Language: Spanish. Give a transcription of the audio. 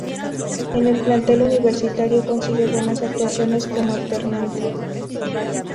En el plantel 'universitario' consigue buenas actuaciones como alternante.